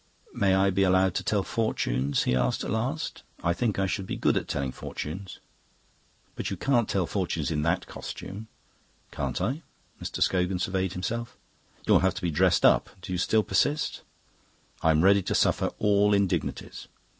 "May I be allowed to tell fortunes?" he asked at last. "I think I should be good at telling fortunes." "But you can't tell fortunes in that costume!" "Can't I?" Mr. Scogan surveyed himself. "You'll have to be dressed up. Do you still persist?" "I'm ready to suffer all indignities."